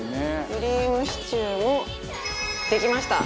クリームシチューもできました。